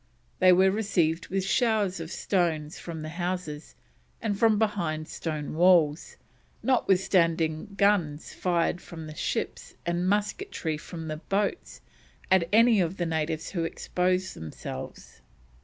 They were received with showers of stones from the houses, and from behind stone walls, notwithstanding guns fired from the ships and musketry from the boats at any of the natives who exposed themselves.